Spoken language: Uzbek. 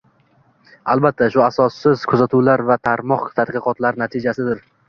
Albatta, bu asossiz kuzatuvlar va tarmoq tadqiqotlari natijasidir